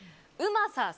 うまさ